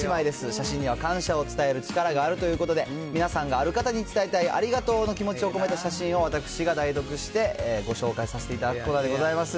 写真には感謝を伝える力があるということで、皆さんがある方に伝えたいありがとうの気持ちを込めた写真を、私が代読してご紹介させていただくコーナーでございます。